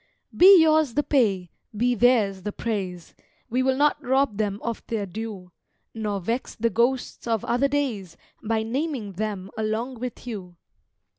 Be yours the pay: be theirs the praise: We will not rob them of their due, Nor vex the ghosts of other days By naming them along with you.